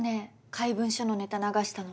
怪文書のネタ流したの。